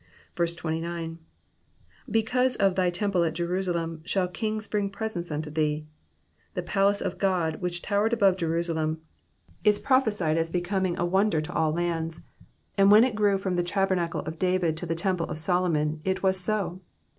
29. ^'•Because of thy temple at Jerusalem shall kings bring presents nnto tJiee,''^ • The palace of Go<l, which towered above Jerusalem, is prophesied as becoming a wonder to all lands, and when it grew from the tabernacle of David to the temple of Solomon, it was so.